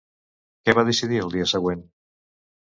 Què va decidir el dia següent?